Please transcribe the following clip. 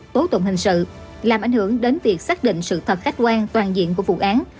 tố tụng hình sự làm ảnh hưởng đến việc xác định sự thật khách quan toàn diện của vụ án